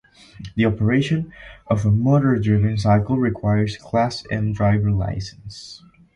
The operation of a motor-driven cycle requires a class M driver license.